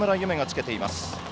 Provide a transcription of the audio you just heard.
夢がつけています。